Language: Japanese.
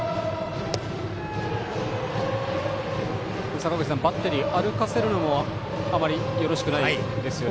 坂口さん、バッテリー歩かせるのもあまりよろしくないですよね。